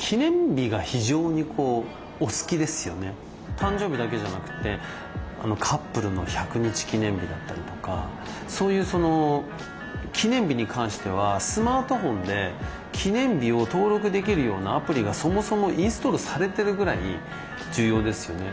誕生日だけじゃなくてカップルの１００日記念日だったりとかそういうその記念日に関してはスマートフォンで記念日を登録できるようなアプリがそもそもインストールされてるぐらい重要ですよね。